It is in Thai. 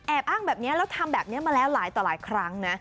อ้างแบบนี้แล้วทำแบบนี้มาแล้วหลายต่อหลายครั้งนะ